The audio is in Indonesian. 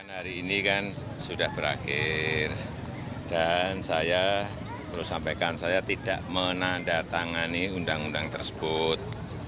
hari ini kan sudah berakhir dan saya perlu sampaikan saya tidak menandatangani undang undang tersebut